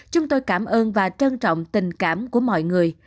chúng tôi cảm ơn và trân trọng tình cảm của mọi người